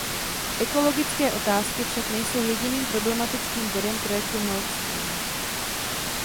Ekologické otázky však nejsou jediným problematickým bodem projektu Nord Stream.